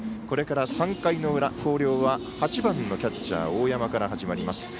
これから３回の裏、広陵は８番のキャッチャー、大山から始まります。